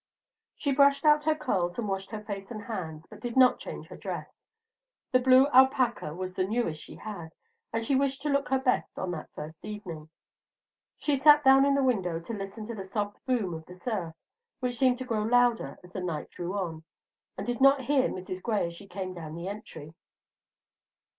She brushed out her curls and washed her face and hands, but did not change her dress. The blue alpaca was the newest she had, and she wished to look her best on that first evening. She sat down in the window to listen to the soft boom of the surf, which seemed to grow louder as the night drew on, and did not hear Mrs. Gray as she came down the entry.